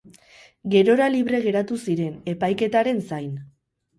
Gerora libre geratu ziren, epaiketaren zain.